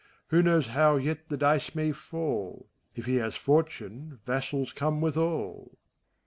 Who knows how yet the dice may fall? If he has fortune, vassals come withal.